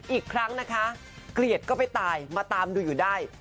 อีกครั้งนะคะเกลียดก็ไปตายมาตามดูอยู่ได้